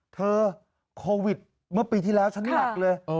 โควิดเมื่อปีที่แล้วฉันหนักเลย